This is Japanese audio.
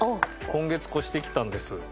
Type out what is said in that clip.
今月越してきたんです。